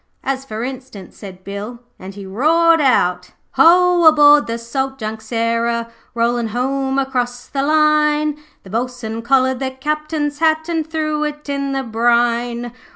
'As for instance,' said Bill, and he roared out 'Ho, aboard the Salt Junk Sarah, Rollin' home across the line, The Bo'sun collared the Captain's hat And threw it in the brine.